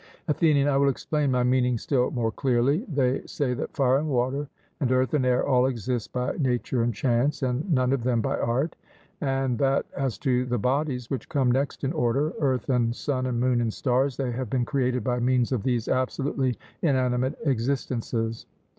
ATHENIAN: I will explain my meaning still more clearly. They say that fire and water, and earth and air, all exist by nature and chance, and none of them by art, and that as to the bodies which come next in order earth, and sun, and moon, and stars they have been created by means of these absolutely inanimate existences.